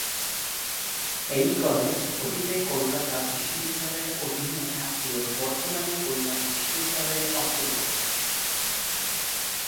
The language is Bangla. এই কলেজ অতীতে কলকাতা বিশ্ববিদ্যালয়ের অধীন থাকলেও বর্তমানে কল্যাণী বিশ্ববিদ্যালয়ের অন্তর্গত।